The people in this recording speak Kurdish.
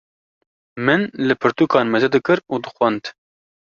min li pirtûkan mêze dikir û dixwend.